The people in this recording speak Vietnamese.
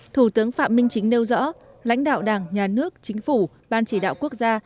thủ tướng phạm minh chính nêu rõ lãnh đạo đảng nhà nước chính phủ ban chỉ đạo quốc gia